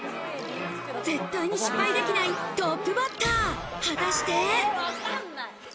絶対に失敗できないトップバッター。